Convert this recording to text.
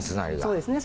そうですね。